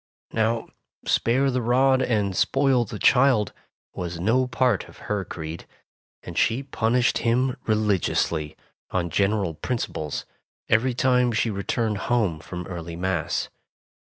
Now spare the rod and spoil the child was no part of her creed, and she punished him religiously, on general principles, every time she returned home from early Mass.